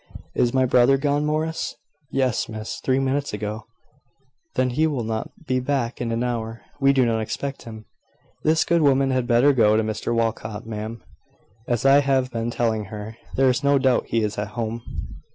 "Is my brother gone, Morris?" "Yes, Miss, three minutes ago." "Then he will not be back in an hour. We do not expect him ." "This good woman had better go to Mr Walcot, ma'am, as I have been telling her. There's no doubt he is at home."